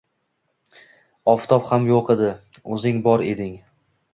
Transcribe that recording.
Oftob ham yo‘q edi… O‘zing bor eding.